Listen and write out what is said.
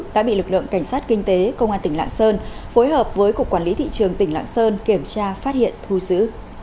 đã bị lực lượng cảnh sát kinh tế công an tỉnh lạng sơn phối hợp với cục quản lý thị trường tỉnh lạng sơn kiểm tra phát hiện thu giữ